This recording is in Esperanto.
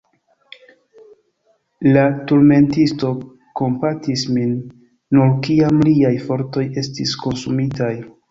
La turmentisto kompatis min, nur kiam liaj fortoj estis komsumitaj.